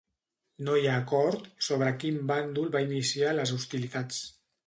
No hi ha acord sobre quin bàndol va iniciar les hostilitats.